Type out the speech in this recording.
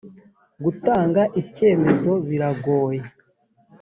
gutanga icyemezo biragoye.